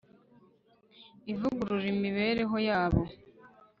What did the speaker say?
ivugurura imibereho yabo